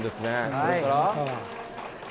それから。